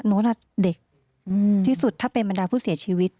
โน๊ตน่ะเด็กอืมที่สุดถ้าเป็นบรรดาผู้เสียชีวิต